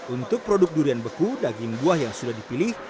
untuk produk durian beku daging buah yang sudah dipilih